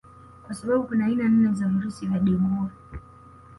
Kwa sababu kuna aina nne za virusi vya Dengua